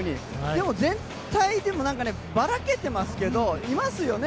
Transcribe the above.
でも、全体でもばらけてますけどいますよね。